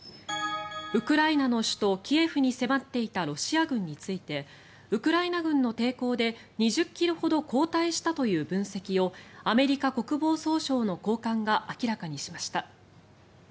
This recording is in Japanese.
ウクライナの首都キエフに迫っていたロシア軍についてウクライナ軍の抵抗で２０ｋｍほど後退したという分析をアメリカ国防総省の高官が明らかにしました。